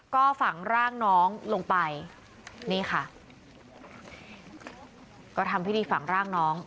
ก็ฝังร่างน้องลงไปนี่ค่ะก็ทำพิธีฝังร่างน้อง